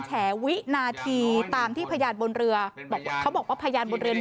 แฉวินาทีตามที่พยานบนเรือบอกเขาบอกว่าพยานบนเรือ